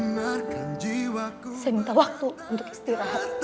saya minta waktu untuk istirahat